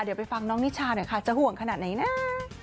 เดี๋ยวไปฟังน้องนิชาจะห่วงขนาดไหนนะ